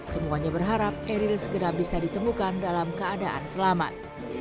semuanya berharap eril segera bisa ditemukan dalam keadaan selamat